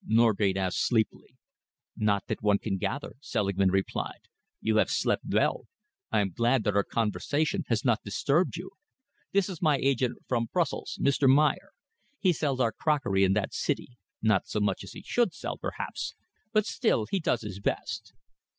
Norgate asked sleepily. "Not that one can gather," Selingman replied. "You have slept well. I am glad that our conversation has not disturbed you. This is my agent from Brussels Mr. Meyer. He sells our crockery in that city not so much as he should sell, perhaps, but still he does his best."